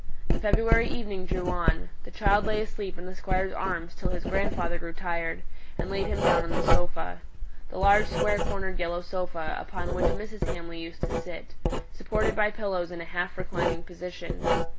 The February evening drew on; the child lay asleep in the Squire's arms till his grandfather grew tired, and laid him down on the sofa: the large square cornered yellow sofa upon which Mrs. Hamley used to sit, supported by pillows in a half reclining position.